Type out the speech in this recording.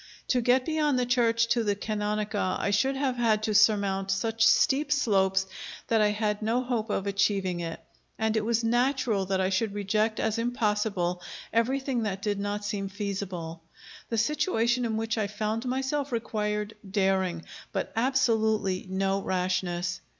To get beyond the church to the Canonica I should have had to surmount such steep slopes that I had no hope of achieving it, and it was natural that I should reject as impossible everything that did not seem feasible. The situation in which I found myself required daring, but absolutely no rashness.